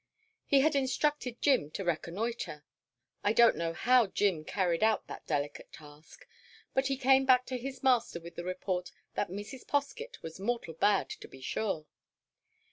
He had instructed Jim to reconnoitre; I don't know how Jim carried out that delicate task, but he came back to his master with the report that Mrs. Poskett was mortal bad, to be sure.